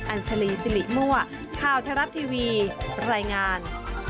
อัญชลีสิริมั่วข่าวไทยรัฐทีวีรายงาน